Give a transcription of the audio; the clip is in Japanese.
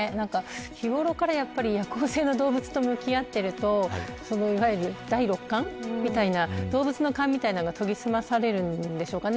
日頃から夜行性の動物と向き合っているといわゆる第六感みたいな動物の勘のようなものが研ぎ澄まされるんでしょうかね。